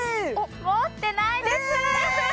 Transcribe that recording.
持ってないですえっ